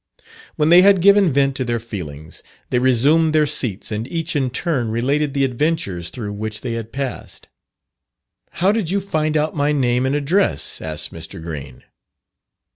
When they had given vent to their feelings, they resumed their seats and each in turn related the adventures through which they had passed. "How did you find out my name and address," asked Mr. Green?